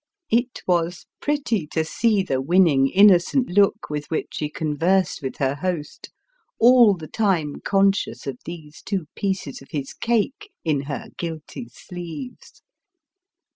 ' It was pretty to see the winning, innocent look with which she conversed with her host, all the time conscious of these two pieces of his cake in her guilty sleeves.